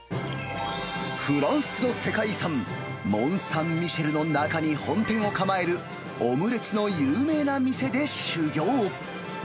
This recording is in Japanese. フランスの世界遺産、モン・サン・ミシェルの中に本店を構えるオムレツの有名な店で修業。